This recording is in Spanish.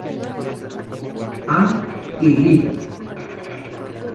A y Lib.